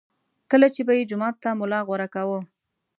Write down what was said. کله چې به یې جومات ته ملا غوره کاوه.